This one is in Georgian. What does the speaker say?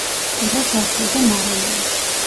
პირველ სართულზე მარანია.